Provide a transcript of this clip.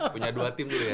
punya dua tim dulu ya